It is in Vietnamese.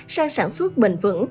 sang sản xuất bền vững